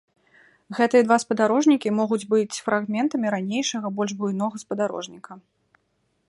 Гэтыя два спадарожнікі могуць быць фрагментамі ранейшага больш буйнога спадарожніка.